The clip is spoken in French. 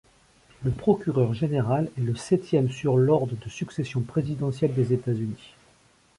Le procureur général est le septième sur l'ordre de succession présidentielle des États-Unis.